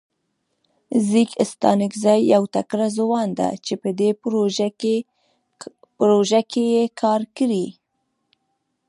ځیګ ستانکزی یو تکړه ځوان ده چه په دې پروژه کې یې کار کړی.